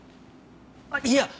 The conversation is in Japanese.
あっいや